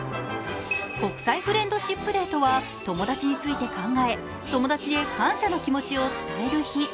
国際フレンドシップデーとは友達について考え友達へ感謝の気持ちを伝える日。